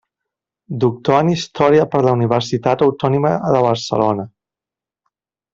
Doctor en Història per la Universitat Autònoma de Barcelona.